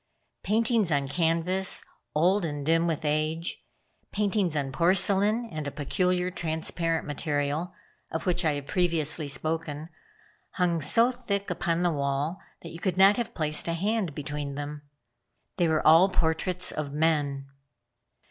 Paintings on canvas, old and dim with age; paintings on porcelain, and a peculiar transparent material, of which I have previously spoken, hung so thick upon the wall you could not have placed a hand between them. They were all portraits of men.